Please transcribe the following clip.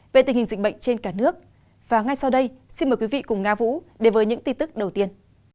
và ngay sau đây xin mời quý vị cùng nga vũ đề với những tin tức đầu tiên